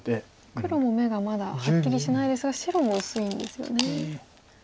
黒も眼がまだはっきりしないですが白も薄いんですよね。